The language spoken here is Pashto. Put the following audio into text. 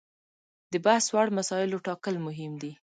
د بحث وړ مسایلو ټاکل مهم دي.